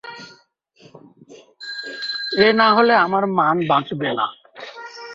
এ না হলে আমার মান বাঁচবে না।